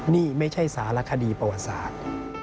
นี่ไม่ใช่สารคดีประวัติศาสตร์